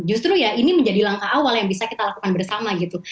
justru ya ini menjadi langkah awal yang bisa kita lakukan bersama gitu